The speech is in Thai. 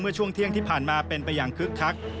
ช่วงเที่ยงที่ผ่านมาเป็นไปอย่างคึกคัก